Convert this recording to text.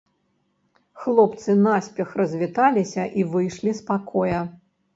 Хлопцы наспех развіталіся і выйшлі з пакоя.